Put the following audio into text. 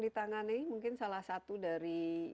ditangani mungkin salah satu dari